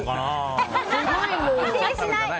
否定しない！